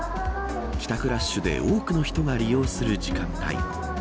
帰宅ラッシュで多くの人が利用する時間帯。